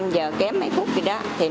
năm giờ kém bảy phút thì đó thì mở